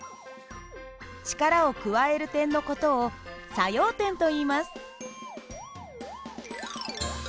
力を加える点の事を作用点といいます。